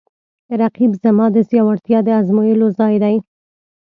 رقیب زما د زړورتیا د ازمویلو ځای دی